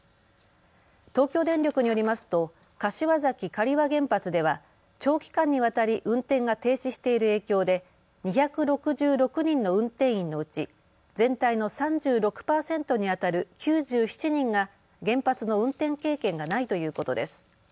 東京電力によりますと柏崎刈羽原発では長期間にわたり運転が停止している影響で２６６人の運転員のうち全体の３６％にあたる９７人が原発の運転経験がないということです。